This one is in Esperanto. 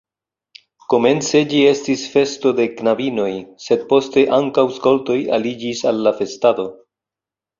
Komence ĝi estis festo de knabinoj, sed poste ankaŭ skoltoj aliĝis al la festado.